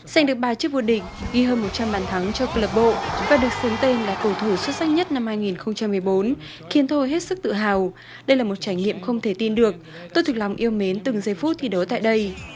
giành được ba chiếc vô địch ghi hơn một trăm linh bàn thắng cho cơ lộc bộ và được xướng tên là cầu thủ xuất sắc nhất năm hai nghìn một mươi bốn khiến tôi hết sức tự hào đây là một trải nghiệm không thể tin được tôi thực lòng yêu mến từng giây phút thi đấu tại đây